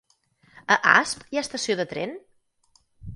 A Asp hi ha estació de tren?